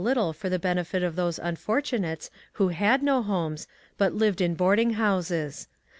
little for the benefit of those unfortunates who had no homes, but lived in boarding houses.